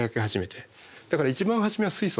だから一番初めは水素だけ。